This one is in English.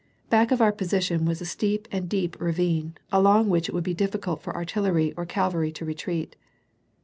Back of our position was a steep and deep ravine, along which it would be difficult for artillery or cavalry to retreat.